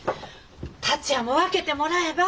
達也も分けてもらえば？